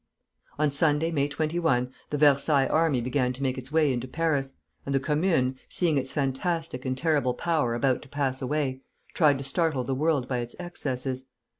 On Sunday, May 21, the Versailles army began to make its way into Paris, and the Commune, seeing its fantastic and terrible power about to pass away, tried to startle the world by its excesses.